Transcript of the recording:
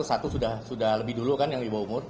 satu sudah lebih dulu kan yang di bawah umur